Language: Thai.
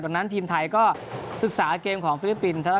ดังนั้นทีมไทยก็ศึกษาเกมของฟิลิปปินส์